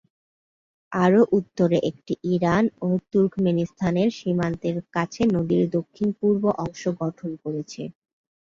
আরও উত্তরে এটি ইরান ও তুর্কমেনিস্তানের সীমান্তের কাছে নদীর দক্ষিণ-পূর্ব অংশ গঠন করেছে।